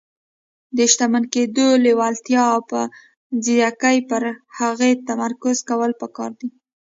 د شتمن کېدو لېوالتیا او په ځيرکۍ پر هغې تمرکز کول پکار دي.